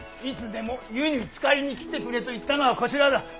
いつでも湯につかりに来てくれと言ったのはこちらだ。